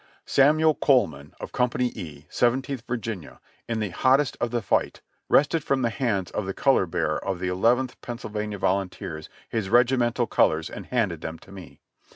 "Samuel Coleman, of Company E, Seventeenth Virginia, in the hottest of the fight, wrested from the hands of the color bearer of the Eleventh Pennsylvania Volunteers his regimental colors, and handed them to me.